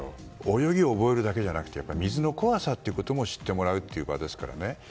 泳ぎを覚えるだけじゃなくて水の怖さも知ってもらう場ですからね。